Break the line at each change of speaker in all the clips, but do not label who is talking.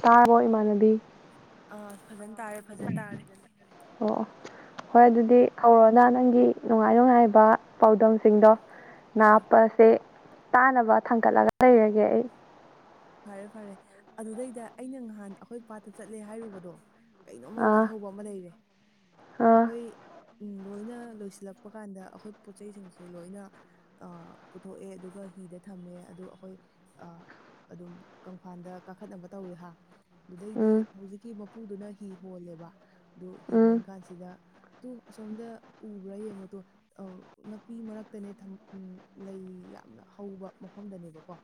ꯇꯥꯔꯕꯣ ꯏꯃꯥꯟꯅꯕꯤ
ꯑꯥ ꯐꯖꯅ ꯇꯥꯔꯦ ꯐꯖꯅ ꯇꯥꯔꯦ
ꯑꯣ ꯍꯣꯏ ꯑꯗꯨꯗꯤ ꯍꯧꯔꯣꯑꯣꯅ ꯅꯪꯒꯤ ꯅꯨꯡꯉꯥꯏ ꯅꯨꯡꯉꯥꯏꯕ ꯄꯥꯎꯗꯝꯁꯤꯡꯗꯣ
ꯑꯥ
ꯅꯥꯞꯄꯁꯦ ꯇꯥꯅꯕ ꯊꯥꯡꯒꯠꯂꯒ ꯂꯩꯔꯒꯦ ꯑꯩ
ꯐꯔꯦ ꯐꯔꯦ ꯑꯗꯨꯗꯩꯗ ꯑꯩꯅ ꯉꯍꯥꯟ ꯑꯩꯈꯣꯏ ꯄꯥꯠꯇ ꯆꯠꯂꯦ ꯍꯥꯏꯔꯨꯕꯗꯣ ꯀꯩꯅꯣꯃ
ꯑꯥ
ꯋꯥꯊꯍꯧꯕ ꯑꯃ ꯂꯩꯔꯦ
ꯑꯥ
ꯑꯩꯈꯣꯏ ꯂꯣꯏꯅ ꯂꯣꯏꯁꯤꯜꯂꯛꯄ ꯀꯥꯟꯗ ꯑꯩꯈꯣꯏ ꯄꯣꯠ ꯆꯩꯁꯤꯡꯁꯦ ꯂꯣꯏꯅ ꯑ ꯄꯨꯊꯣꯛꯑꯦ ꯑꯗꯨꯒ ꯍꯤꯗ ꯊꯝꯃꯦ ꯑꯗꯨ ꯑꯩꯈꯣꯏ ꯑ ꯑꯗꯨꯝ ꯀꯪꯐꯥꯟꯗ ꯀꯥꯈꯠꯅꯕ ꯇꯧꯔꯦ ꯍꯥ ꯑꯗꯨꯗꯩꯗꯤ
ꯎꯝ
ꯍꯧꯖꯤꯛꯀꯤ ꯃꯄꯨꯗꯨꯅ ꯍꯤ ꯍꯣꯜꯂꯦꯕ ꯑꯗꯨ ꯍꯤ
ꯎꯝ
ꯍꯣꯟ ꯀꯥꯟꯁꯤꯗ ꯇꯨ ꯑꯁꯣꯝꯗ ꯎꯕ꯭ꯔꯥ ꯌꯦꯡꯉꯣ ꯇꯨ ꯅꯥꯄꯤ ꯃꯔꯛꯇꯅꯦ ꯂꯩ ꯌꯥꯝꯅ ꯍꯧꯕ ꯃꯐꯝꯗꯅꯦꯕꯀꯣ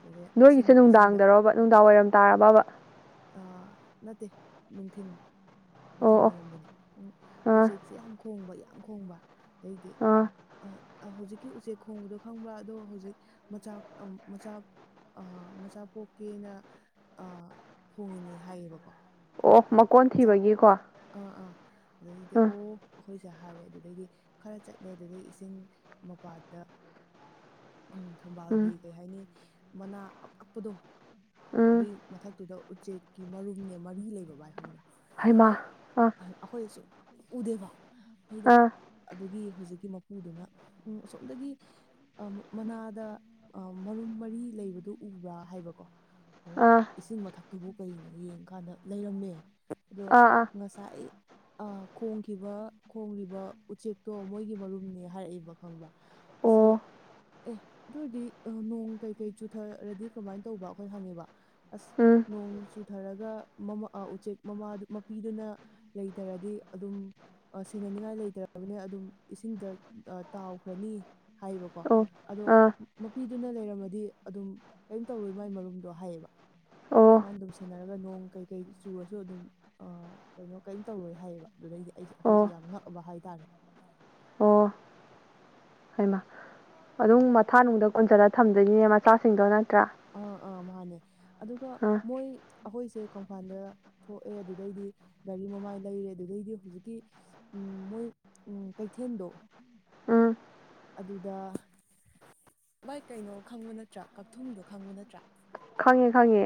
ꯑꯗꯨꯗꯤ
ꯅꯣꯏꯒꯤꯁꯦ ꯅꯨꯡꯗꯥꯡꯗꯔꯔꯣꯕ ꯅꯨꯡꯗꯥꯡ ꯋꯥꯏꯔꯝ ꯇꯥꯔꯕ꯭ꯔꯕ
ꯑꯥ ꯅꯠꯇꯦ ꯅꯨꯡꯊꯤꯟ
ꯑꯣ
ꯅꯨꯡꯊꯤꯜ
ꯑꯣ
ꯋꯥꯏꯔꯝꯗꯅꯤ ꯎꯝ
ꯑꯥ
ꯎꯆꯦꯛꯁꯤ ꯌꯥꯝ ꯈꯣꯡꯕ ꯌꯥꯝ ꯈꯣꯡꯕ ꯑꯗꯩꯗꯤ
ꯑꯥ
ꯑ ꯍꯧꯖꯤꯛꯀꯤ ꯎꯆꯦꯛ ꯈꯣꯡꯕꯗꯣ ꯈꯪꯕ꯭ꯔꯥ ꯑꯗꯣ ꯍꯧꯖꯤꯛ ꯃꯆꯥꯥꯛ ꯃꯆꯥꯥꯛ ꯃꯆꯥ ꯄꯣꯛꯀꯦꯅ ꯈꯣꯡꯉꯤꯅꯦ ꯍꯥꯏꯌꯦꯕꯀꯣ
ꯑꯣ ꯃꯀꯣꯟ
ꯆꯥꯛ
ꯊꯤꯕꯒꯤꯀꯣ
ꯑꯥ ꯑꯥ ꯑꯗꯨꯏꯗꯤ
ꯑꯥ
ꯑꯣ ꯑꯩꯈꯣꯏꯆꯦ ꯍꯥꯏꯔꯦ ꯑꯗꯨꯗꯩꯗꯤ ꯈꯔ ꯆꯠꯂꯦ ꯑꯗꯨꯗꯒꯤ ꯏꯁꯤꯡ ꯃꯄꯥꯗ ꯎꯝ
ꯎꯝ
ꯊꯝꯕꯥꯜꯒꯤ ꯀꯩ ꯍꯥꯏꯅꯤ ꯃꯅꯥ ꯑꯄꯥꯛꯄꯗꯣ
ꯎꯝ
ꯑꯗꯨꯏ ꯃꯊꯛꯇꯨꯗ ꯎꯆꯦꯛꯀꯤ ꯃꯔꯨꯝꯅꯦ ꯃꯔꯤ ꯂꯩꯕ ꯕꯥꯏ ꯈꯪꯕ꯭ꯔꯥ
ꯍꯩꯃꯥ
ꯑꯩ
ꯑꯥ
ꯑꯩꯈꯣꯏ ꯁꯨꯛ ꯎꯗꯦꯕ ꯑꯩ ꯗ
ꯑꯥ
ꯑꯗꯨꯒꯤ ꯍꯧꯖꯤꯛꯀꯤ ꯃꯄꯨꯗꯨꯅ ꯎꯝ ꯑꯁꯣꯝꯗꯒꯤ ꯑ ꯃꯅꯥꯗ ꯑ ꯃꯔꯨꯝ ꯃꯔꯤ ꯂꯩꯕꯗꯨ ꯎꯕ꯭ꯔꯥ ꯍꯥꯏꯕꯀꯣ ꯑꯗ
ꯑꯥ
ꯏꯁꯤꯡ ꯃꯊꯛꯇꯨꯕꯨ ꯀꯩꯅꯣ ꯌꯦꯡꯀꯥꯟꯗ ꯂꯩꯔꯝꯃꯦ ꯑꯗꯣ
ꯑꯥ ꯑꯥ
ꯉꯁꯥꯏ ꯑ ꯈꯣꯡꯈꯤꯕ ꯈꯣꯡꯔꯤꯕ ꯎꯆꯦꯛꯇꯣ ꯃꯣꯏꯒꯤ ꯃꯔꯨꯝꯅꯦ ꯍꯥꯏꯔꯛꯏꯕ ꯈꯪꯕ꯭ꯔ ꯑꯁꯦ
ꯑꯣ
ꯑꯦ ꯑꯗꯨ ꯑꯣꯏꯔꯗꯤ ꯑ ꯅꯣꯡ ꯀꯩ ꯀꯩ ꯆꯨꯊꯔꯗꯤ ꯀꯔꯃꯥꯏ ꯇꯧꯕ ꯑꯩꯈꯣꯏ ꯍꯪꯉꯦꯕ ꯑꯁ
ꯎꯝ
ꯅꯣꯡ ꯆꯨꯊꯔꯒ ꯃꯃꯥ ꯑ ꯎꯆꯦꯛ ꯃꯃꯥꯗꯨ ꯃꯄꯤꯗꯨꯅ ꯂꯩꯇꯔꯗꯤ ꯑꯗꯨꯝ ꯑ ꯁꯦꯟꯅꯅꯤꯡꯉꯥꯏ ꯂꯩꯇꯔꯕꯅꯦ ꯑꯗꯨꯝ ꯏꯁꯤꯡꯗ ꯑ ꯇꯥꯎꯈ꯭ꯔꯅꯤ ꯍꯥꯏꯌꯦꯕꯀꯣ
ꯑꯣ
ꯑꯗꯣ
ꯑꯥ
ꯃꯄꯤꯗꯨꯅ ꯂꯩꯔꯝꯃꯗꯤ ꯑꯗꯨꯝ ꯀꯩꯝ ꯇꯧꯔꯣꯏ ꯃꯥꯏ ꯃꯔꯨꯝꯗꯣ ꯍꯥꯏꯌꯦꯕ
ꯑꯣ
ꯃꯥꯅ ꯑꯗꯨꯝ ꯁꯦꯟꯅꯔꯒ ꯅꯣꯡ ꯀꯩ ꯀꯩ ꯆꯨꯔꯁꯨ ꯗꯨ ꯑꯗꯨꯝ ꯑ ꯀꯩꯅꯣ ꯀꯩꯝ ꯇꯧꯔꯣꯏ ꯍꯥꯏꯌꯦꯕ ꯑꯗꯨꯗꯩꯗꯤ ꯑꯩꯁꯦ
ꯑꯣ
ꯑꯩꯈꯣꯏꯁꯦ ꯌꯥꯝ ꯉꯛꯑꯕ ꯍꯥꯏꯇꯥꯔꯦ
ꯑꯣ ꯍꯩꯃꯥ ꯑꯗꯨꯝ ꯃꯊꯥꯅꯨꯡꯗ ꯀꯣꯟꯖꯜꯂ ꯊꯝꯗꯣꯏꯅꯤꯅꯦ ꯃꯆꯥꯁꯤꯡꯗꯣ ꯅꯠꯇ꯭ꯔꯥ
ꯑꯥ ꯑꯥ ꯃꯥꯟꯅꯦ ꯑꯗꯨꯒ
ꯑꯥ
ꯃꯣꯏ ꯑꯈꯣꯏꯁꯦ ꯀꯪꯐꯥꯟꯗ ꯊꯣꯛꯑꯦ ꯑꯗꯨꯗꯩꯗꯤ ꯒꯥꯔꯤ ꯃꯃꯥꯏ ꯂꯩꯔꯦ ꯑꯗꯨꯗꯩꯗꯤ ꯍꯧꯖꯤꯛꯀꯤ ꯎꯝ ꯃꯣꯏ ꯎꯝ ꯀꯩꯊꯦꯟꯗꯣ
ꯎꯝ
ꯑꯗꯨꯗ ꯚꯥꯏ ꯀꯩꯅꯣ ꯈꯪꯕ ꯅꯠꯇ꯭ꯔꯥ ꯀꯛꯊꯨꯝꯗꯣ ꯈꯪꯕ ꯅꯠꯇ꯭ꯔꯥ
ꯈꯪꯉꯦ ꯈꯪꯉꯦ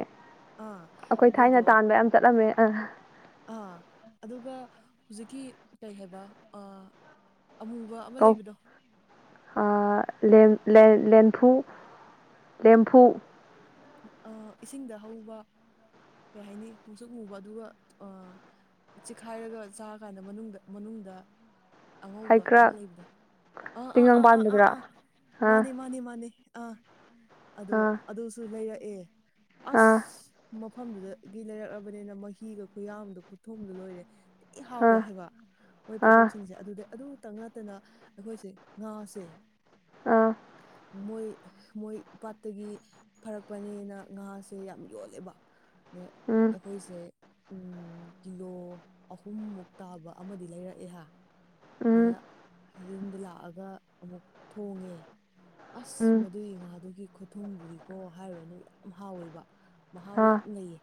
ꯑꯥ
ꯑꯩꯈꯣꯏ ꯊꯥꯏꯅ
ꯑꯗꯨꯏꯗꯣ
ꯇꯥꯟꯕ ꯌꯥꯝ ꯆꯠꯂꯝꯃꯦ ꯑ
ꯑꯥ ꯑꯗꯨꯒ ꯍꯧꯖꯤꯛꯀꯤ ꯀꯩ ꯍꯥꯏꯕ ꯑ ꯑꯃꯨꯕ ꯃ ꯂꯩꯕꯗꯣ
ꯑ ꯂꯦꯝ ꯂꯦ ꯂꯦꯟꯐꯨ ꯂꯦꯝꯐꯨ
ꯑꯥ ꯏꯁꯤꯡꯗ ꯍꯧꯕ ꯀꯩ ꯍꯥꯏꯅꯤ ꯃꯨꯁꯨꯛ ꯃꯨꯕ ꯑꯗꯨꯒ ꯑꯥ ꯆꯤꯈꯥꯏꯔꯒ ꯆꯥꯔ ꯀꯥꯟꯗ ꯃꯅꯨꯡꯗ ꯃꯅꯨꯡꯗ ꯑꯉꯧꯕ ꯑꯃ
ꯍꯩꯀ꯭ꯔꯛ
ꯂꯩꯕꯗꯣ ꯑꯥ ꯑꯥ
ꯇꯤꯡꯉꯪ
ꯑꯥ ꯑꯥ ꯑꯥ
ꯄꯥꯟꯕꯗꯨꯔꯥ
ꯑꯥ
ꯑꯥ
ꯃꯥꯅꯤ ꯃꯥꯅꯤ ꯃꯥꯅꯤ ꯑꯥ ꯑꯗꯣ
ꯑꯥ
ꯑꯗꯨꯁꯨ ꯂꯩꯔꯛꯑꯦ ꯑꯁ
ꯑꯥ
ꯃꯐꯝꯗꯨꯗꯒꯤ ꯂꯩꯔꯛꯂꯕꯅꯤꯅ ꯃꯍꯤꯒ ꯈꯨꯌꯥꯝꯗꯣ ꯈꯨꯊꯨꯝꯗꯣ ꯂꯣꯏꯔꯦ ꯊꯤ ꯍꯥꯎꯋꯦ
ꯑꯥ
ꯍꯥꯏꯕ ꯃꯣꯏ
ꯑꯥ
ꯄꯣꯠꯊꯣꯛꯁꯤꯡꯁꯦ ꯑꯗꯨꯗꯩ ꯑꯗꯨꯇꯪ ꯅꯠꯇꯅ ꯑꯩꯈꯣꯏꯁꯦ ꯉꯥꯁꯦ
ꯑꯥ
ꯃꯣꯏ ꯃꯣꯏ ꯄꯥꯠꯇꯒꯤ ꯐꯔꯛꯄꯅꯦꯅ ꯉꯥꯁꯦ ꯌꯥꯝ ꯌꯣꯜꯂꯦꯕ ꯗꯩ
ꯎꯝ
ꯑꯩꯈꯣꯏꯁꯦ ꯎꯝ ꯀꯤꯂꯣ ꯑꯍꯨꯝꯃꯨꯛ ꯇꯥꯕ ꯑꯃꯗꯤ ꯂꯩꯔꯛꯑꯦ ꯍꯥ
ꯎꯝ
ꯑꯗꯨꯗ ꯌꯨꯝꯗ ꯂꯥꯛꯑꯒ ꯑꯃꯨꯛ ꯊꯣꯡꯉꯦ ꯑꯁ
ꯎꯝ
ꯃꯗꯨꯏ ꯉꯥꯗꯨꯒꯤ ꯈꯨꯠ ꯊꯨꯝꯗꯨꯗꯤꯀꯣ ꯍꯥꯏꯔꯨꯔꯅꯨ ꯌꯥꯝ ꯍꯥꯎꯋꯦꯕ ꯃꯍꯥꯎ
ꯑꯥ
ꯌꯥꯝ ꯂꯩꯌꯦ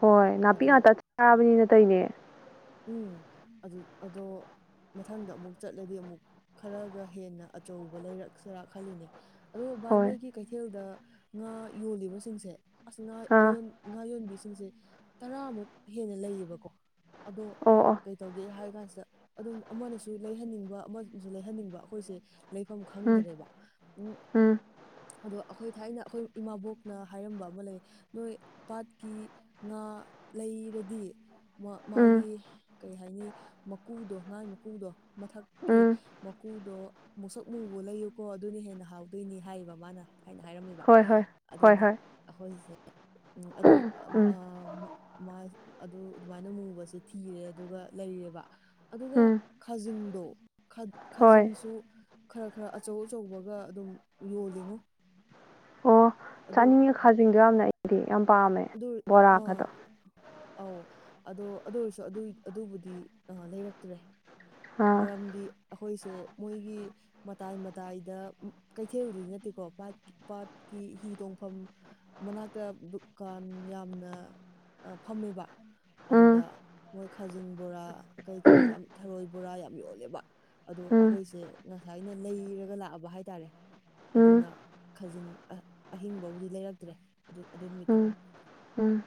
ꯍꯣꯏ ꯅꯥꯄꯤ
ꯑꯗꯣ
ꯉꯥꯛꯇ ꯆꯥꯕꯅꯤꯅ ꯇꯩꯅꯦ
ꯎꯝ ꯑꯗꯨ ꯑꯗꯣ ꯃꯊꯪꯗ ꯑꯃꯨꯛ ꯆꯠꯂꯗꯤ ꯑꯃꯨꯛ ꯈꯔꯒ ꯍꯦꯟꯅ ꯑꯆꯧꯕ ꯂꯩꯔꯛꯁꯤꯔ ꯈꯜꯂꯤꯅꯦ ꯑꯗꯨꯒ ꯚꯥꯏ
ꯍꯣꯏ
ꯃꯣꯏꯒꯤ ꯀꯩꯊꯦꯜꯗ ꯉꯥ ꯌꯣꯜꯂꯤꯕꯁꯤꯡꯁꯦ ꯑꯁ ꯉꯥ
ꯑꯥ
ꯑꯌꯣꯟ ꯉꯥ ꯌꯣꯟꯕꯤꯁꯤꯡꯁꯦ ꯇꯔꯥꯃꯨꯛ ꯍꯦꯟꯅ ꯂꯩꯌꯦꯕꯀꯣ ꯑꯗꯣ
ꯑꯣ ꯑꯣ
ꯀꯩꯇꯧꯒꯦ ꯍꯥꯏ ꯀꯥꯟꯁꯤꯗ ꯑꯗꯨꯝ ꯑꯃꯅꯁꯨ ꯂꯩꯍꯟꯅꯤꯡꯕ ꯑꯃꯅꯁꯨ ꯂꯩꯍꯟꯅꯤꯡꯕ ꯑꯩꯈꯣꯏꯁꯦ ꯂꯩꯐꯝ
ꯎꯝ
ꯈꯪꯗ꯭ꯔꯦꯕ ꯎꯝ ꯑꯗꯣ ꯑꯩꯈꯣꯏ ꯊꯥꯏꯅ ꯑꯩꯈꯣꯏ ꯏꯃꯥꯕꯣꯛꯅ ꯍꯥꯏꯔꯝꯕ ꯑꯃ ꯂꯩ ꯅꯣꯏ ꯄꯥꯠꯀꯤ ꯉꯥ ꯂꯩꯔꯗꯤ
ꯎꯝ
ꯃꯥꯒꯤ ꯀꯩ ꯍꯥꯏꯅꯤ ꯃꯀꯨꯗꯣ ꯉꯥ ꯃꯀꯨꯗꯣ ꯃꯊꯛꯀꯤ
ꯎꯝ
ꯃꯀꯨꯗꯣ ꯃꯨꯁꯛ ꯃꯨꯕ ꯂꯩꯌꯨꯀꯣ ꯑꯗꯨꯅ ꯍꯦꯟꯅ ꯍꯥꯎꯗꯣꯏꯅꯤ ꯍꯥꯏꯕ ꯃꯥꯅ ꯍꯥꯏꯅ ꯍꯥꯏꯔꯝꯃꯤꯕ
ꯍꯣꯏ ꯍꯣꯏ ꯍꯣꯏ
ꯑꯗꯨꯅ
ꯍꯣꯏ
ꯑꯩꯈꯣꯏꯁꯦ ꯑꯗꯨ
ꯎꯝ
ꯑꯗꯨ ꯑꯗꯨꯃꯥꯏꯅ ꯃꯨꯕꯁꯦ ꯊꯤꯔꯦ ꯑꯗꯨꯒ ꯂꯩꯔꯦꯕ ꯑꯗꯨꯒ
ꯎꯝ
ꯈꯖꯤꯡꯗꯣ
ꯍꯣꯏ
ꯈꯥꯖꯤꯡꯁꯨ ꯈꯔ ꯈꯔ ꯑꯆꯧ ꯑꯆꯧꯕꯒ ꯑꯗꯨꯝ ꯌꯣꯜꯂꯤꯉꯣ
ꯑꯣ
ꯑꯗꯣ
ꯆꯥꯅꯤꯡꯉꯦ ꯈꯥꯖꯗꯣ ꯌꯥꯝꯅ ꯑꯩꯗꯤ ꯌꯥꯝ ꯄꯥꯝꯃꯦ
ꯑꯗꯨ ꯑ
ꯕꯣꯔꯥꯒꯗꯣ
ꯑꯧ ꯑꯗꯣ ꯑꯗꯨ ꯑꯣꯏꯔꯁꯨ ꯑꯗꯨ ꯑꯗꯨꯕꯨꯗꯤ ꯑ ꯂꯩꯔꯛꯇ꯭ꯔꯦ
ꯑꯥ
ꯃꯔꯝꯗꯤ ꯑꯩꯈꯣꯏꯁꯦ ꯃꯣꯏꯒꯤ ꯃꯇꯥꯏ ꯃꯇꯥꯏꯗ ꯀꯩꯊꯦꯜꯔꯨꯗꯗꯤ ꯅꯠꯇꯦꯀꯣ ꯄꯥꯠꯀꯤ ꯍꯤ ꯇꯣꯡꯐꯝ ꯃꯅꯥꯛꯇ ꯗꯨꯀꯥꯟ ꯌꯥꯝꯅ ꯐꯝꯃꯦꯕ
ꯎꯝ
ꯑꯗꯨꯗ ꯃꯣꯏ ꯈꯥꯖꯤꯡ ꯕꯣꯔꯥ ꯀꯩꯀꯩ ꯌꯥꯝ ꯊꯔꯣꯏ ꯕꯣꯔꯥ ꯌꯥꯝ ꯌꯣꯜꯂꯦꯕ ꯑꯗꯣ
ꯎꯝ
ꯑꯩꯈꯣꯏꯁꯦ ꯉꯁꯥꯏꯅ ꯂꯩꯔꯒ ꯂꯥꯛꯑꯕ ꯍꯥꯏꯇꯥꯔꯦ
ꯎꯝ
ꯑꯗꯨꯅ ꯈꯖꯤꯡ ꯑꯍꯤꯡꯕꯕꯨꯗꯤ ꯂꯩꯔꯛꯇ꯭ꯔꯦ ꯑꯗꯨ ꯑꯗꯨ ꯅꯨꯃꯤꯠꯇꯣ
ꯎꯝ ꯎꯝ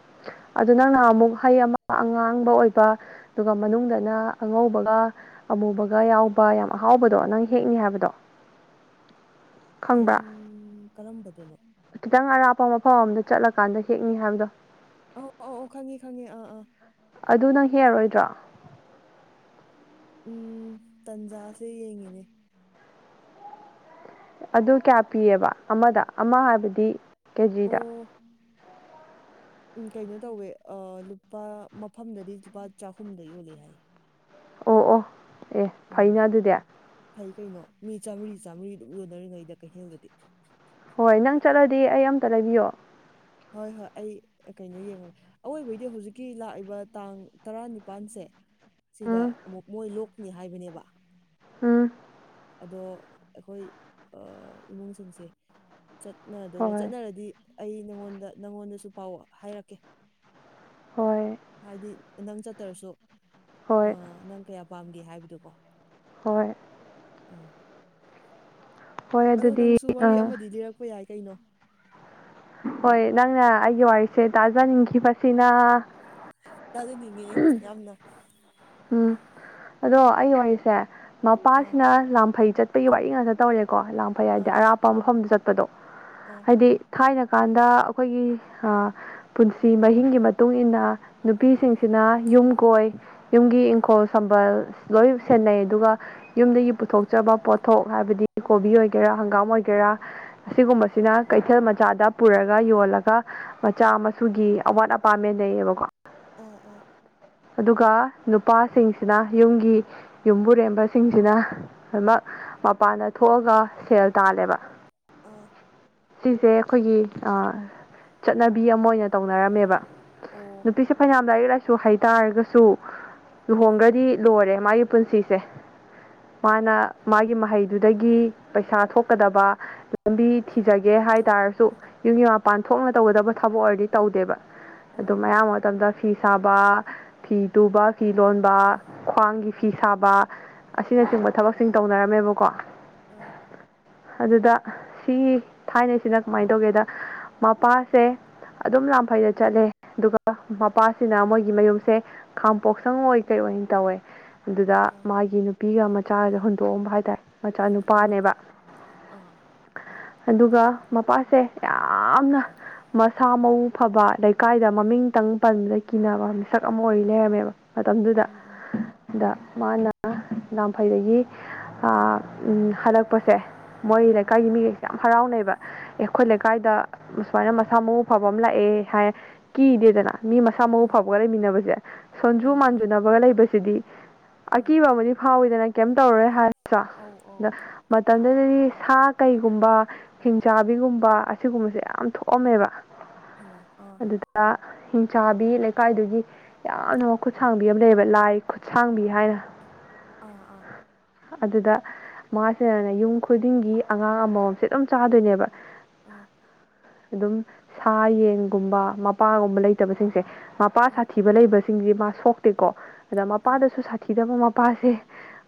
ꯑꯗꯨ ꯅꯪꯅꯍ ꯑꯃꯨꯛ ꯍꯩ ꯑꯃ ꯑꯉꯥꯡꯕ ꯑꯣꯏꯕ ꯑꯗꯨꯒ ꯃꯅꯨꯡꯗꯅ ꯑꯉꯧꯕꯒ ꯑꯃꯨꯕꯒ ꯌꯥꯎꯕ ꯌꯥꯝ ꯑꯍꯥꯎꯕꯗꯣ ꯅꯪ ꯍꯦꯛꯅꯤ ꯍꯥꯏꯕꯗꯣ
ꯀꯔꯝ
ꯈꯪꯕ꯭ꯔꯥ
ꯀꯔꯝꯕꯗꯅꯣ
ꯈꯤꯇꯪ ꯑꯔꯥꯞꯄ ꯃꯐꯝ ꯑꯃꯝꯗ ꯆꯠꯂꯀꯥꯟꯗ ꯍꯦꯛꯅꯤ ꯍꯥꯏꯕꯗꯣ
ꯑꯧ ꯑꯧ ꯑ ꯈꯪꯉꯤ ꯈꯪꯉꯤ ꯑꯥ ꯑꯥ
ꯑꯗꯨ ꯅꯪ ꯍꯦꯔꯣꯏꯗ꯭ꯔꯣ
ꯎꯝ ꯇꯟꯖꯥꯁꯦ ꯌꯦꯡꯉꯤꯅꯦ
ꯑꯗꯨ ꯀꯌꯥ ꯄꯤꯑꯕ ꯑꯃꯗ ꯑꯃ ꯍꯥꯏꯕꯗꯤ ꯀꯦꯖꯤꯗ
ꯎ ꯀꯩꯅꯣ ꯇꯧꯋꯦ ꯂꯨꯄꯥ ꯃꯐꯝꯗꯗꯤ ꯂꯨꯄꯥ ꯆꯍꯨꯝꯗ ꯌꯣꯜꯂꯦ ꯍꯥꯏꯌꯦ
ꯑꯣ ꯑꯣ ꯑꯦ
ꯎꯝ
ꯐꯩꯅ ꯑꯗꯨꯗꯤ
ꯐꯩ ꯀꯩꯅꯣ ꯃꯤ ꯆꯥꯝꯃꯔꯤ ꯆꯥꯝꯃꯔꯤ ꯑꯗꯨꯝ ꯌꯣꯟꯅꯔꯤꯉꯩꯗ ꯀꯩꯊꯦꯜꯒꯗꯤ
ꯍꯣꯏ ꯅꯪ ꯆꯠꯂꯗꯤ ꯑꯩ ꯑꯃꯝꯇ ꯂꯩꯕꯤꯌꯣ
ꯍꯣꯏ ꯍꯣꯏ ꯑꯩ ꯀꯩꯅꯣ ꯌꯦꯡꯉꯒꯦ ꯑꯋꯣꯏꯕꯩꯗꯤ ꯍꯧꯖꯤꯛꯀꯤ ꯂꯥꯛꯏꯕ ꯇꯥꯡ ꯇꯔꯥꯅꯤꯄꯥꯜꯁꯦ ꯁꯤꯗ
ꯎꯝ
ꯑꯃꯨꯛ ꯃꯣꯏ ꯂꯣꯛꯅꯤ ꯍꯥꯏꯕꯅꯦꯕ
ꯎꯝ
ꯑꯗꯣ ꯑꯩꯈꯣꯏ ꯏꯃꯨꯡꯁꯤꯡꯁꯦ
ꯍꯣꯏ
ꯆꯠꯅꯗꯣꯏꯔ ꯆꯠꯅꯔꯗꯤ ꯑꯩ ꯅꯪꯉꯣꯟꯗ ꯅꯪꯉꯣꯟꯗꯁꯨ ꯄꯥꯎ ꯍꯥꯏꯔꯛꯀꯦ
ꯍꯣꯏ
ꯍꯥꯏꯗꯤ ꯅꯪ ꯆꯠꯇ꯭ꯔꯁꯨ
ꯍꯣꯏ
ꯅꯪ ꯀꯌꯥ ꯄꯥꯝꯒꯦ ꯍꯥꯏꯕꯗꯣꯀꯣ
ꯍꯣꯏ
ꯑꯥ
ꯍꯣꯏ
ꯑꯗꯣ
ꯑꯗꯨꯗꯤ
ꯅꯪꯁꯨ ꯋꯥꯔꯤ
ꯑꯥ
ꯑꯃꯗꯤ ꯂꯤꯔꯛꯄ ꯌꯥꯏ ꯀꯩꯅꯣ
ꯍꯣꯏ ꯅꯪꯅ ꯑꯩꯒꯤ ꯋꯥꯔꯤꯁꯦ ꯇꯥꯖꯅꯤꯡꯈꯤꯕꯁꯤꯅ
ꯆꯥꯖꯅꯤꯡꯉꯦ ꯌꯥꯝꯅ
ꯎꯝ ꯑꯗꯣ ꯑꯩ ꯑꯣꯏꯁꯦ
ꯑꯥ
ꯃꯄꯥꯁꯤꯅ ꯂꯥꯐꯩ ꯆꯠ ꯑꯇꯩꯒꯤ ꯋꯥꯔꯤ ꯉꯥꯛꯇ ꯇꯧꯔꯦꯀꯣ ꯂꯥꯡ ꯐꯩ ꯌꯥꯏꯗꯤ ꯑꯔꯥꯞꯄ ꯃꯐꯝꯗ ꯆꯠꯄꯗꯣ
ꯎꯝ
ꯍꯥꯏꯗꯤ ꯊꯥꯏꯅ ꯀꯥꯟꯗ ꯑꯩꯈꯣꯏꯒꯤ ꯄꯨꯟꯁꯤ ꯃꯍꯤꯡꯒꯤ ꯃꯇꯨꯡ ꯏꯟꯅ ꯅꯨꯄꯤꯁꯤꯡꯁꯤꯅ ꯌꯨꯝ ꯀꯣꯏ ꯌꯨꯝꯒꯤ ꯏꯪꯈꯣꯜ ꯁꯝꯕꯜ ꯂꯣꯏ ꯁꯦꯟꯅꯩ ꯑꯗꯨꯒ ꯌꯨꯝꯗꯒꯤ ꯄꯨꯊꯣꯛꯆꯕ ꯄꯣꯠꯊꯣꯛ ꯍꯥꯏꯕꯗꯤ ꯀꯣꯕꯤ ꯑꯣꯏꯒꯦꯔꯥ ꯍꯪꯒꯥꯝ ꯑꯣꯏꯒꯦꯔꯥ ꯑꯁꯤꯒꯨꯝꯕꯁꯤꯅ ꯀꯩꯊꯦꯜ ꯃꯆꯥꯗ ꯄꯨꯔꯒ ꯌꯣꯜꯂꯒ ꯃꯆꯥ ꯃꯁꯨꯒꯤ ꯑꯋꯥꯠ ꯑꯄꯥ ꯃꯦꯟ ꯂꯩꯩꯌꯦꯕꯀꯣ
ꯑꯥ ꯑꯥ
ꯑꯗꯨꯒ ꯅꯨꯄꯥꯁꯤꯡꯁꯤꯅ ꯌꯨꯝꯒꯤ ꯌꯨꯝꯕꯨꯔꯦꯝꯕꯁꯤꯡꯁꯤꯅ ꯂꯣꯏꯃꯛ ꯃꯄꯥꯟꯗ ꯊꯣꯛꯑꯒ ꯁꯦꯜ ꯇꯥꯜꯂꯦꯕ
ꯑ
ꯁꯤꯁꯦ ꯑꯩꯈꯣꯏꯒꯤ ꯑ ꯆꯠꯅꯕꯤ ꯑꯃ ꯑꯣꯏꯅ ꯇꯧꯅꯔꯝꯃꯦꯕ
ꯑꯣ
ꯅꯨꯄꯤꯁꯦ ꯐꯅꯌꯥꯝ ꯂꯥꯏꯔꯤꯛ ꯂꯥꯏꯁꯨ ꯍꯩꯇꯥꯥꯔꯒꯁꯨ ꯂꯨꯍꯣꯡꯒ꯭ꯔꯗꯤ ꯂꯣꯏꯔꯦ ꯃꯥꯒꯤ ꯄꯨꯟꯁꯤꯁꯦ ꯃꯥꯅ ꯃꯥꯒꯤ ꯃꯍꯩꯗꯨꯗꯒꯤ ꯄꯩꯁꯥ ꯊꯣꯛꯀꯗꯕ ꯂꯝꯕꯤ ꯊꯤꯖꯒꯦ ꯍꯥꯏ ꯇꯥꯔꯁꯨ ꯌꯨꯝꯒꯤ ꯃꯄꯥꯟ ꯊꯣꯛꯅ ꯇꯧꯒꯗꯕ ꯊꯕꯛ ꯑꯣꯏꯔꯗꯤ ꯇꯧꯗꯦꯕ ꯑꯗꯨꯝ
ꯑꯣ
ꯑꯌꯥꯝꯕ ꯃꯇꯝꯗ ꯐꯤ ꯁꯥꯕ ꯐꯤ ꯇꯨꯕ ꯐꯤ ꯂꯣꯟꯕ ꯈ꯭ꯋꯥꯡꯒꯤ ꯐꯤ ꯁꯥꯕ
ꯑꯥ
ꯑꯁꯤꯅꯆꯤꯡꯕ ꯊꯕꯛ ꯁꯤꯡ ꯇꯧꯅꯔꯝꯃꯦꯕꯀꯣ
ꯑꯥ
ꯑꯗꯨꯗ ꯁꯤ ꯊꯥꯏꯅꯩꯁꯤꯅ ꯀꯃꯥꯏ ꯇꯧꯒꯦꯗ ꯃꯄꯥꯁꯦ ꯑꯗꯨꯝ ꯂꯥꯡꯐꯩꯗ ꯆꯠꯂꯦ ꯑꯗꯨꯒ ꯃꯄꯥꯁꯤꯅ ꯃꯣꯏꯒꯤ ꯃꯌꯨꯝꯁꯦ ꯈꯥꯝꯄꯣꯛꯁꯪ ꯑꯣꯏ ꯀꯩꯑꯣꯏꯟ ꯇꯧꯋꯦ ꯑꯗꯨꯗ
ꯑꯥ
ꯃꯥꯒꯤ ꯅꯨ ꯄꯤꯒ ꯃꯆꯥꯒ ꯍꯨꯟꯗꯣꯛꯑꯝꯕ ꯍꯥꯏꯇꯥꯔꯦ ꯃꯆꯥ
ꯍꯩꯃꯥ
ꯅꯨꯄꯥꯅꯦꯕ
ꯑꯥ
ꯑꯗꯨꯒ ꯃꯄꯥꯁꯦ ꯌꯥꯝꯅ ꯃꯁꯥ ꯃꯎ ꯐꯕ ꯂꯩꯀꯥꯏꯗ ꯃꯃꯤꯡꯇꯪ ꯄꯟꯕꯗ ꯀꯤꯅꯕ ꯃꯤꯁꯛ ꯑꯃ ꯑꯣꯏꯔꯤ ꯂꯩꯔꯝꯃꯦꯕ ꯃꯇꯝꯗꯨꯗ
ꯎꯝ ꯎꯝ
ꯑꯗꯥ
ꯎꯝ
ꯃꯥꯅ ꯑ ꯂꯥꯝꯐꯩꯗꯒꯤ ꯑꯥ ꯎꯝ ꯍꯜꯂꯛꯄꯁꯦ ꯃꯣꯏ
ꯎꯝ
ꯂꯩꯀꯥꯏꯒꯤ ꯃꯤ ꯌꯥꯝ ꯍꯔꯥꯎꯅꯩꯕ ꯑꯦ ꯑꯩꯈꯣꯏ
ꯑꯥ
ꯂꯩꯀꯥꯏꯗ ꯁꯨꯃꯥꯏꯅ ꯃꯁꯥ ꯃꯎ ꯐꯕ ꯑꯃ ꯂꯥꯛꯑꯦ ꯍꯥꯏ ꯀꯤꯗꯦꯗꯅ ꯃꯤ ꯃꯁꯥ ꯃꯎ
ꯑꯥ
ꯐꯕꯒ ꯂꯩꯃꯤꯟꯅꯕꯖꯦ ꯁꯣꯟꯖꯨ
ꯑꯥ ꯑꯥ
ꯃꯥꯟꯖꯨꯅꯕꯒ ꯂꯩꯕꯁꯤꯗꯤ
ꯑꯥ
ꯑꯀꯤꯕ ꯑꯃꯗꯤ ꯐꯥꯎꯋꯤꯗꯅ ꯀꯩꯝ ꯇꯧꯔꯔꯣꯏ ꯍꯥꯏ ꯁꯨ
ꯑꯧ ꯑꯧ
ꯑꯗ ꯃꯇꯝꯗꯨꯗꯗꯤ ꯁꯥ ꯀꯩꯒꯨꯝꯕ ꯍꯤꯡꯆꯥꯥꯕꯤꯒꯨꯝꯕ ꯑꯁꯤꯒꯨꯝꯕꯁꯦ ꯌꯥꯝ ꯊꯣꯛꯑꯝꯃꯦꯕ
ꯍꯩꯃꯥ ꯑꯥ
[unintelligible] ꯍꯤꯡꯆꯥꯥꯕꯤ ꯂꯩꯀꯥꯏꯗꯨꯒꯤ ꯌꯥꯝꯅ ꯃꯈꯨꯠꯁꯥꯡꯕꯤ ꯑꯃ ꯂꯩꯌꯦꯕ ꯂꯥꯏ ꯈꯨꯠꯁꯥꯡꯕꯤ ꯍꯥꯏꯅ
ꯑꯥ ꯑꯥ
ꯑꯗꯨꯗ ꯃꯥꯁꯤꯅꯅꯦ ꯌꯨꯝ ꯈꯨꯗꯤꯡꯒꯤ ꯑꯉꯥꯡ ꯑꯃꯝꯃꯝꯁꯦ ꯑꯗꯨꯝ ꯆꯥꯗꯣꯏꯅꯦꯕ
ꯑꯥ
ꯑꯗꯨꯝ ꯁꯥ ꯌꯦꯟꯒꯨꯝꯕ ꯃꯄꯥꯒꯨꯝꯕ ꯂꯩꯇꯕꯁꯤꯡꯁꯦ ꯃꯄꯥ ꯁꯥꯊꯤ
ꯑꯥ
ꯂꯩꯕ ꯁꯤꯡꯁꯤ ꯃꯥ ꯁꯣꯛꯇꯦꯀꯣ ꯑꯗ
ꯑꯥ
ꯃꯄꯥꯗꯁꯨ ꯁꯥꯊꯤꯗꯕ ꯃ ꯄꯥꯁꯦ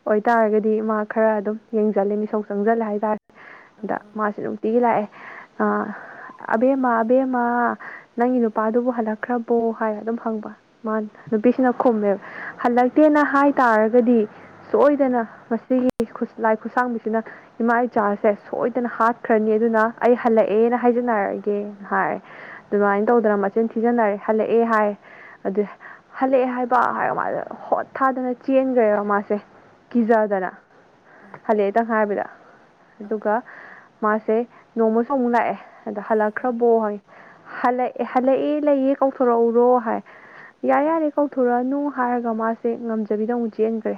ꯑꯣꯏꯇꯥꯔꯒꯗꯤ ꯃꯥ ꯈꯔ ꯑꯗꯨꯝ ꯌꯦꯡꯖꯜꯂꯦ ꯃꯤꯁꯧ ꯆꯪꯖꯜꯂꯦ ꯍꯥꯏꯇꯥꯔꯦ
ꯑꯥ
ꯑꯗ
ꯑꯥ
ꯃꯥꯁꯦ ꯅꯨꯡꯇꯤꯒꯤ ꯂꯥꯛꯑꯦ ꯑꯥ ꯑꯕꯦꯝꯃ ꯑꯕꯦꯝꯃ ꯅꯪꯒꯤ ꯅꯨꯄꯥꯗꯨꯕꯨ ꯍꯜꯂꯛꯈ꯭ꯔꯕꯣ ꯍꯥꯏꯔ ꯑꯗꯨꯝ ꯍꯪꯕ ꯃꯥ ꯅꯨꯄꯤꯁꯤꯅ ꯈꯨꯝꯃꯦ
ꯑꯥ ꯑꯥ ꯑꯥ ꯑꯥ
ꯍꯜꯂꯛꯇꯦꯅ ꯍꯥꯏ ꯇꯥꯔꯒꯗꯤ ꯁꯣꯏꯗꯅ ꯃꯁꯤꯒꯤ ꯂꯥꯏ ꯈꯨꯠꯁꯥꯡꯕꯤꯁꯤꯅ ꯏꯃꯥ ꯏꯆꯥꯁꯦ ꯁꯣꯏꯗꯅ ꯍꯥꯠꯈ꯭ꯔꯅꯤ ꯑꯗꯨꯅ ꯑꯩ ꯍꯜꯂꯛꯑꯦꯅ ꯍꯥꯏꯖꯟꯅꯔꯒꯦꯅ ꯍꯥꯏ ꯑꯗꯨꯃꯥꯏꯟ ꯇꯧꯗꯅ ꯃꯆꯤꯟ ꯊꯤꯖꯤꯟꯅꯔꯦ ꯍꯜꯂꯛꯑꯦ ꯍꯥꯏ ꯑꯗꯨ ꯍꯜꯂꯛꯑꯦ ꯍꯥꯏꯕ ꯍꯥꯏꯔ ꯃꯥꯖꯦ ꯍꯣꯠ ꯊꯥꯗꯅ ꯆꯦꯟꯒ꯭ꯔꯦꯕ ꯃꯥꯁꯦ
ꯑꯥ
ꯀꯤꯖꯗꯅ ꯍꯜꯂꯛꯑꯦꯇꯪ ꯍꯥꯏꯕꯗ
ꯑꯥ
ꯑꯗꯨꯒ ꯃꯥꯁꯦ ꯅꯣꯡꯃꯁꯨ ꯑꯃꯨꯛ ꯂꯥꯛꯑꯦ ꯑꯗ
ꯑꯥ
ꯍꯜꯂꯛꯈ꯭ꯔꯕꯣ ꯍꯥꯏ ꯍꯜꯂꯛ ꯍꯜꯂꯛꯑꯦ ꯂꯩꯌꯦ ꯀꯧꯊꯣꯔꯛꯎꯔꯣ ꯍꯥꯏ ꯌꯥꯔꯦ ꯌꯥꯔꯦ
[unintelligible]
ꯀꯧꯊꯣꯔꯛꯑꯅꯨ ꯍꯥꯏꯔꯒ ꯃꯥꯁꯦ ꯉꯝꯖꯕꯤꯗ ꯑꯃꯨꯛ ꯆꯦꯟꯒ꯭ꯔꯦ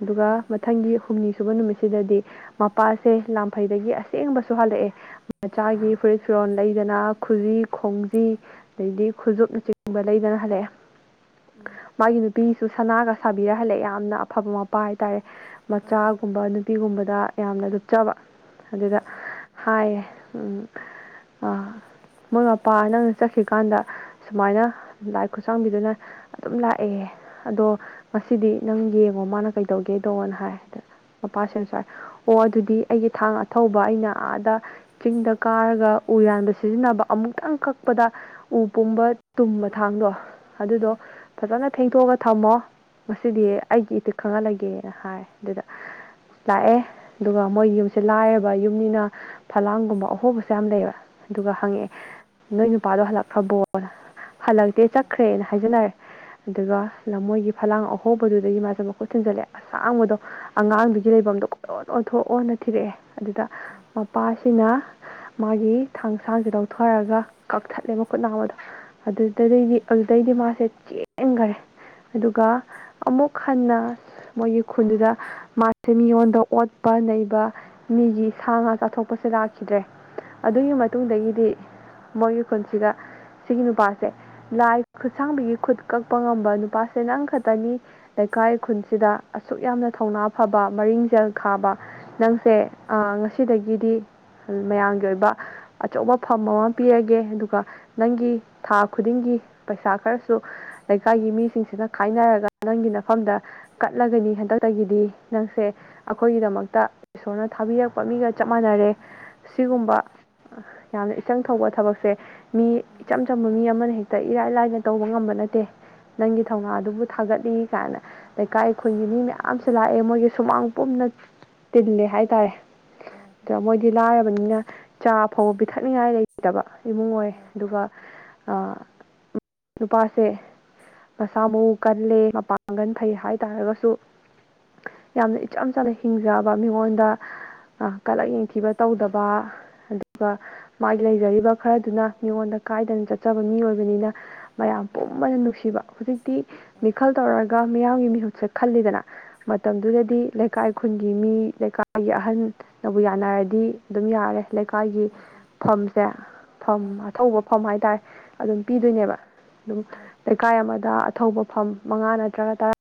ꯑꯗꯨꯒ
ꯑꯥ
ꯃꯊꯪꯒꯤ ꯍꯨꯝꯅꯤ ꯁꯨꯕ ꯅꯨꯃꯤꯠꯁꯤꯗꯗꯤ ꯃꯄꯥꯁꯦ ꯂꯥꯐꯩꯗꯒꯤ ꯑꯁꯦꯡꯕꯁꯨ ꯍꯜꯂꯛꯑꯦ ꯃꯆꯥꯒꯤ ꯐꯨꯔꯤꯠ ꯐꯤꯔꯣꯜ ꯂꯩꯗꯅ ꯈꯨꯖꯤ ꯈꯣꯡꯖꯤ ꯑꯗꯩꯗꯤ ꯈꯨꯁꯨꯞꯅ ꯆꯤꯡꯕ ꯂꯩꯗꯅ ꯍꯜꯂꯛꯑꯦ
ꯎꯝ
ꯃꯥꯒꯤ ꯅꯨꯄꯤꯁꯨ ꯁꯅꯥꯒ ꯁꯥꯕꯤꯔꯍꯜꯂꯛꯑꯦ ꯌꯥꯝꯅ ꯑꯐꯕ ꯃꯄꯥ ꯍꯥꯏꯇꯥꯔꯦ
ꯑꯥ ꯑꯥ
ꯃꯆꯥꯒꯨꯝꯕ ꯅꯨꯄꯤꯒꯨꯝꯕꯗ ꯌꯥꯝꯅ ꯂꯨꯞꯆꯕ
ꯑꯥ
ꯑꯗꯨꯗ
ꯑꯥ
ꯍꯥꯏꯌꯦ ꯑꯥ ꯃꯣꯏ ꯃꯄꯥ ꯅꯪꯅ ꯆꯠꯈꯔꯤꯀꯥꯟꯗ ꯁꯨꯃꯥꯏꯅ ꯂꯥꯏ ꯈꯨꯠꯁꯥꯡꯕꯤꯗꯨꯅ ꯑꯗꯨꯝ ꯂꯥꯛꯑꯦ ꯑꯗꯣ ꯉꯁꯤꯗꯤ ꯅꯪ ꯌꯦꯡꯉꯣ ꯃꯥꯅ ꯀꯩꯗꯧꯒꯦꯗꯧꯕꯅ ꯍꯥꯏꯗꯅ ꯃꯄꯥ ꯁ ꯁ꯭ꯏ ꯑꯣ ꯑꯗꯨꯗꯤ ꯑꯩꯒꯤ ꯊꯥꯡ ꯑꯊꯧꯕ ꯑꯩꯅ ꯑꯥꯗ ꯆꯤꯡꯗ ꯀꯥꯔꯒ ꯎ ꯌꯥꯟꯗ ꯁꯤꯖꯤꯟꯅꯕ ꯑꯃꯨꯛꯇꯪ ꯀꯛꯄꯗ ꯎ ꯄꯨꯝꯕ ꯇꯨꯝꯕ ꯈꯊꯥꯡꯗꯣ ꯑꯗꯨꯗꯣ ꯐꯖꯅ ꯊꯦꯡꯗꯣꯛꯑꯒ ꯊꯝꯃꯣ ꯉꯁꯤꯗꯤ ꯑꯩꯒꯤ ꯏ ꯈꯪꯍꯜꯂꯒꯦꯅ ꯍꯥꯏ ꯑꯗꯨꯗ ꯂꯥꯛꯑꯦ ꯑꯗꯨꯒ ꯃꯣꯏ ꯌꯨꯝꯁꯦ ꯂꯥꯏꯔꯕ ꯌꯨꯝꯅꯤꯅ ꯐꯂꯥꯡꯒꯨꯝꯕ ꯑꯍꯣꯕꯁꯨ ꯌꯥꯝ ꯂꯩꯕ ꯑꯗꯨꯒ
ꯑꯥ ꯑꯥ
ꯍꯪꯉꯛꯑꯦ
ꯑꯥ
ꯅꯣꯏ ꯅꯨꯄꯥꯗꯣ ꯍꯜꯂꯛꯈ꯭ꯔꯕꯣꯅ ꯍꯜꯂꯛꯇꯦ
ꯑꯥ
ꯆꯠꯈ꯭ꯔꯦꯅ ꯍꯥꯏꯖꯅꯔꯦ ꯑꯗꯨꯒ ꯂꯝꯃꯣꯏꯒꯤ ꯐꯂꯥꯡ ꯑꯍꯣꯕꯗꯨꯗꯒꯤ ꯃꯥꯁꯦ ꯃꯈꯨꯠ ꯊꯤꯟꯖꯜꯂꯦ ꯑꯁꯥꯡꯕꯗꯣ ꯑꯉꯥꯡꯗꯨꯒꯤ
ꯎꯝ
ꯂꯩꯐꯝꯗꯣ ꯀꯣꯏ ꯑꯣꯟ ꯑꯣꯟꯊꯣꯛ ꯑꯣꯅ ꯊꯤꯔꯛꯑꯦ ꯑꯗꯨꯗ
ꯑꯥ
ꯃꯄꯥ ꯁꯤꯅ ꯃꯥꯒꯤ ꯊꯥꯡꯁꯥꯡꯁꯦ ꯂꯧꯊꯔꯒ ꯀꯛꯊꯠꯂꯦꯕ ꯈꯨꯠꯅꯥ ꯑꯃꯗꯣ
ꯑ
ꯑꯗꯨꯗꯩꯗꯤ ꯑꯗꯨꯗꯩꯗꯤ ꯃꯥꯁꯦ ꯆꯦꯟꯈꯔꯦ ꯑꯗꯨꯒ ꯑꯃꯨꯛ ꯈꯟꯅ ꯃꯣꯏꯒꯤ ꯈꯨꯟꯗꯨꯗ ꯃꯥꯁꯦ ꯃꯤꯉꯣꯟꯗ ꯑꯣꯠꯄ ꯅꯩꯕ ꯃꯤꯒꯤ ꯁꯥ ꯉꯥ ꯆꯥꯊꯣꯛꯄꯁꯦ ꯂꯥꯛꯀꯦ ꯈꯤꯗ꯭ꯔꯦ
ꯎꯝ
ꯑꯗꯨꯒꯤ ꯃꯇꯨꯡꯗꯒꯤꯗꯤ ꯃꯣꯏꯒꯤ ꯈꯨꯟꯁꯤꯗ ꯁꯤꯒꯤ ꯅꯨꯄꯥ ꯁꯦ ꯂꯥꯏ ꯈꯨꯠꯁꯥꯡꯕꯤꯒꯤ ꯈꯨꯠ ꯀꯛꯄ ꯉꯝꯕ ꯅꯨꯄꯥꯁꯦ ꯅꯪ ꯈꯛꯇꯅꯤ ꯂꯩꯀꯥꯏ ꯈꯨꯟꯁꯤꯗ ꯑꯁꯨꯛ ꯌꯥꯝꯅ ꯊꯧꯅꯥ ꯐꯕ ꯃꯔꯤꯡꯖꯦꯜ ꯈꯥꯕ ꯅꯪꯁꯦ ꯑ ꯉꯁꯤꯗꯒꯤꯗꯤ ꯃꯌꯥꯝꯒꯤ ꯑꯣꯏꯕ ꯑꯆꯧꯕ ꯐꯝ ꯑꯃ ꯄꯤꯔꯒꯦ ꯑꯗꯨꯒ ꯅꯪꯒꯤ ꯊꯥ ꯈꯨꯗꯤꯡꯒꯤ ꯄꯩꯁꯥ ꯈꯔꯁꯨ ꯂꯩꯀꯥꯏꯒꯤ ꯃꯤꯁꯤꯡꯁꯤꯅ ꯈꯥꯏꯅꯔꯒ ꯅꯪꯒꯤ ꯅꯐꯝꯗ ꯀꯠꯂꯒꯅꯤ ꯍꯟꯗꯛꯇꯒꯤꯗꯤ ꯅꯪꯁꯦ ꯑꯩꯈꯣꯏꯒꯤꯗꯃꯛꯇ ꯏꯁꯣꯔꯅ ꯊꯥꯕꯤꯔꯛꯄ ꯃꯤꯒ ꯆꯞ ꯃꯥꯟꯅꯔꯦ
ꯎꯝ
ꯁꯤꯒꯨꯝꯕ ꯌꯥꯝꯅ ꯏꯆꯪ ꯊꯧꯕ ꯊꯕꯛꯁꯦ ꯃꯤ
ꯎꯝ
ꯇꯝꯕ ꯃꯤ ꯑꯃꯅ ꯍꯦꯛꯇ ꯏꯔꯥꯏ ꯂꯥꯏꯅ ꯇꯧꯕ ꯉꯝꯕ ꯅꯠꯇꯦ ꯅꯪꯒꯤ
ꯎꯝ
ꯊꯧꯅꯥ ꯑꯗꯨꯕꯨ ꯊꯥꯒꯠꯂꯤ ꯀꯥꯏꯅ ꯂꯩꯀꯥꯏ ꯑꯩꯈꯣꯏꯒꯤ ꯃꯤ ꯃꯌꯥꯝ ꯂꯥꯛꯑꯦ ꯃꯣꯏꯒꯤ ꯁꯨꯃꯥꯡ ꯄꯨꯝꯅ ꯇꯤꯜꯂꯦ ꯍꯥꯏꯇꯥꯔꯦ
ꯑ ꯑ
ꯑꯗ ꯃꯣꯏꯗꯤ ꯂꯥꯏꯔꯕꯅꯤꯅ ꯆꯥꯐꯥꯎꯕ ꯄꯤꯊꯛꯅꯤꯡꯉꯥꯏ ꯂꯩꯇꯕ ꯏꯃꯨꯡ ꯑꯣꯏ
ꯑ
ꯑꯗꯨꯒ ꯑꯥ ꯅꯨꯄꯥꯁꯦ ꯃꯁꯥ ꯃꯎ ꯀꯜꯂꯦ ꯃꯄꯥꯡꯒꯟ ꯐꯩ ꯍꯥꯏ ꯇꯥꯔꯒꯁꯨ ꯌꯥꯝꯅ ꯏꯆꯝ ꯆꯅ ꯍꯤꯡꯖꯕ ꯃꯤꯉꯣꯟꯗ ꯀꯂꯛ ꯌꯦꯡꯊꯤꯕ ꯇꯧꯗꯕ ꯑꯗꯨꯒ ꯃꯥꯒꯤ ꯂꯩꯖꯔꯤꯕ ꯈꯔꯗꯨꯅ ꯃꯤꯉꯣꯟꯗ ꯀꯥꯏꯗꯅ ꯆꯠꯆꯕ ꯃꯤ ꯑꯣꯏꯕꯅꯤꯅ ꯃꯌꯥꯝ ꯄꯨꯝꯕꯅ ꯅꯨꯡꯁꯤꯕ ꯍꯧꯖꯤꯛ ꯇꯤ
ꯑ
ꯃꯤꯈꯜ ꯇꯧꯔꯒ ꯃꯤꯌꯥꯝꯒꯤ ꯃꯤꯍꯨꯠꯁꯦ ꯈꯜꯂꯤꯗꯅ ꯃꯇꯝꯗꯨꯗꯗꯤ ꯂꯩꯀꯥꯏ ꯈꯨꯟꯒꯤ ꯃꯤ ꯂꯩꯀꯥꯏ ꯑꯩꯒꯤ ꯑꯍꯟꯅꯕꯨ ꯌꯥꯅꯔꯗꯤ ꯑꯗꯨꯝ ꯌꯥꯔꯦ ꯂꯩꯀꯥꯏꯒꯤ
ꯑ
ꯐꯝꯁꯦ ꯐꯝ
ꯑ
ꯑꯊꯧꯕ ꯐꯝ ꯍꯥꯏꯇꯥꯔꯦ ꯑꯗꯨꯝ
ꯑ
ꯄꯤꯗꯣꯏꯅꯦꯕ ꯑꯗꯨꯝ
ꯑ
ꯂꯩꯀꯥꯏ ꯑꯃꯗ ꯑꯊꯧꯕ ꯐꯝ ꯃꯉꯥ ꯅꯠꯇ꯭ꯔꯒ ꯇꯔꯥ